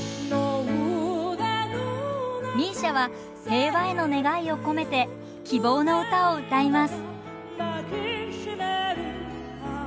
ＭＩＳＩＡは平和への願いを込めて「希望のうた」を歌います。